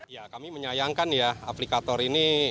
ya kami menyayangkan ya aplikator ini